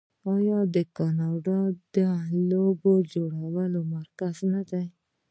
آیا کاناډا د لوبو جوړولو مرکز نه دی؟